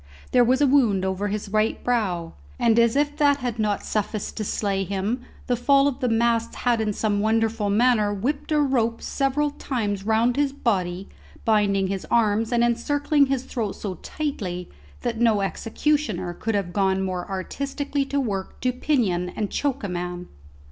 There was a wound over his right brow; and as if that had not sufficed to slay him, the fall of the masts had in some wonderful manner whipped a rope several times round his body, binding his arms and encircling his throat so tightly, that no executioner could have gone more artistically to work to pinion and choke a man.